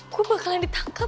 gue bakalan ditangkep